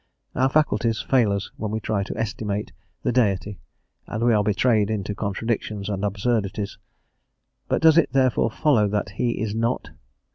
Our faculties fail us when we try to estimate the Deity, and we are betrayed into contradictions and absurdities; but does it therefore follow that He is not?